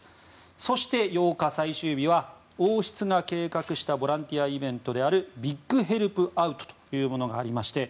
そして８日、最終日は王室が計画したボランティアイベントであるビッグ・ヘルプ・アウトというものがありまして。